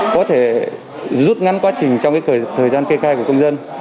có thể rút ngắn quá trình trong thời gian kê khai của công dân